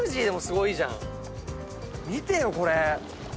見てよこれ！